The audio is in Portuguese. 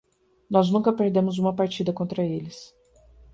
Nós nunca perdemos uma partida contra eles.